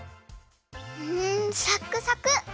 んサックサク！